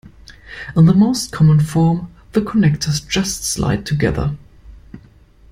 In their most common form the connectors just slide together.